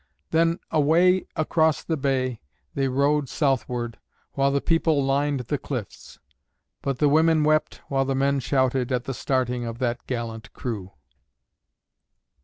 Then away across the bay they rowed southward, while the people lined the cliffs. But the women wept while the men shouted at the starting of that gallant crew.